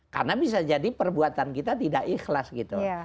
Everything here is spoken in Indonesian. karena bisa jadi perbuatan kita tidak ikhlas gitu